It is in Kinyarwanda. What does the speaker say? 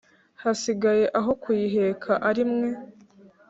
hasigaye aho kuyiheka ari mwe!»